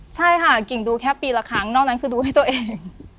ใช่ค่ะกิ่งดูแค่ปีละครั้งนอกนั้นคือดูให้ตัวเอง